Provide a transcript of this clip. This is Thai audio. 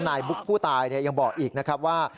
บุ๊กผู้ตายยังบอกอีกนะครับว่า